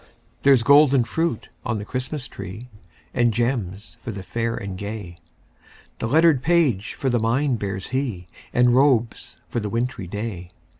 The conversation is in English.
There's golden fruit on the Christmas tree, And gems for the fair and gay; The lettered page for the mind bears he, And robes for the wintry day.